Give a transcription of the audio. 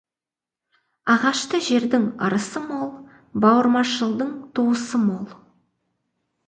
Ағашты жердің ырысы мол, бауырмашылдың туысы мол.